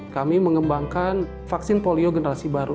kami mengembangkan vaksin polio generasi baru